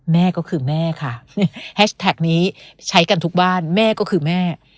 แม่ก็คือแม่ค่ะแฮชแท็กนี้ใช้กันทุกบ้านแม่ก็คือแม่